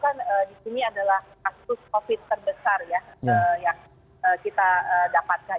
kan di sini adalah kasus covid terbesar ya yang kita dapatkan